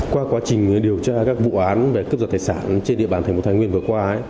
qua quá trình điều tra các vụ án về cướp giật tài sản trên địa bàn thành phố thái nguyên vừa qua